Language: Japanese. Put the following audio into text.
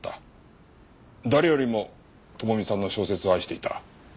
誰よりも智美さんの小説を愛していた。